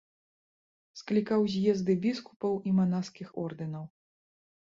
Склікаў з'езды біскупаў і манаскіх ордэнаў.